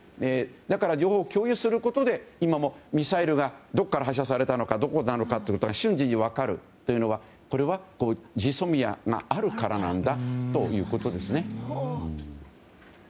だから、情報を共有することで今もミサイルがどこから発射されたのかが瞬時に分かるというのはこれはＧＳＯＭＩＡがあるからなんだということです。